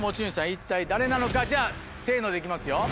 一体誰なのかじゃあせので行きますよ。